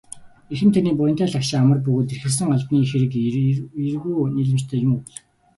Эрхэм таны буянтай лагшин амар бөгөөд эрхэлсэн албаны хэрэг эергүү нийлэмжтэй юун өгүүлэх.